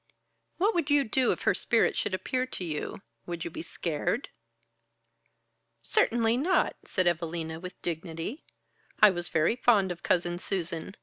"What would you do if her spirit should appear to you? Would you be scared?" "Certainly not!" said Evalina, with dignity. "I was very fond of Cousin Susan.